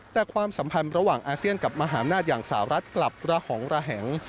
แต่ความสัมพันธ์ระหว่างอาเซียนกับมหาอำนาจอย่างสาวรัฐกลับระหองระแหง